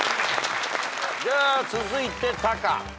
続いてタカ。